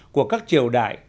của các triều đại